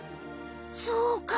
そうか。